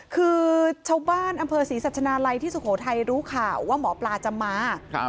คือชาวบ้านอำเภอศรีสัชนาลัยที่สุโขทัยรู้ข่าวว่าหมอปลาจะมา